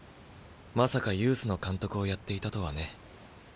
まさかユースの監督をやっていたとはね。